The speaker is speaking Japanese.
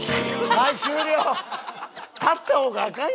はい終了！